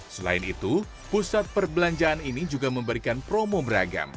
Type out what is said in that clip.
selain itu pusat perbelanjaan ini juga memberikan promo beragam